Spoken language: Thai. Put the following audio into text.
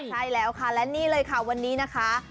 ใช่แล้วค่ะและนี่เลยค่ะวันนี้นะคะ